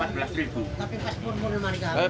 tapi pas turun turun mereka